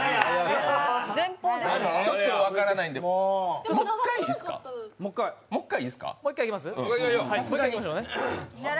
ちょっと分からないんで、もう１回いいですか？